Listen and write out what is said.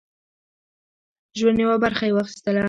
ژوند یوه برخه یې واخیستله.